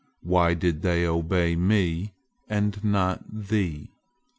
Why did they obey me, and not Thee?"